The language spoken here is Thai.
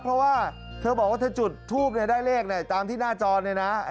เพราะว่าเธอบอกว่าเธอจุดทูปได้เลขตามที่หน้าจอเนี่ยนะ